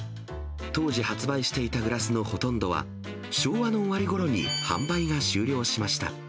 当時発売していたグラスのほとんどは、昭和の終わりごろに販売が終了しました。